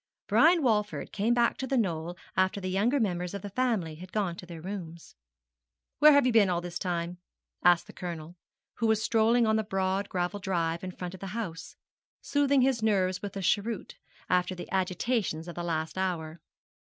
Brian Walford came back to The Knoll after the younger members of the family had gone to their rooms. 'Where have you been all this time?' asked the Colonel, who was strolling on the broad gravel drive in front of the house, soothing his nerves with a cheroot, after the agitations of the last hour.